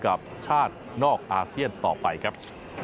กับชาตินอกอาเซียนต่อไปครับ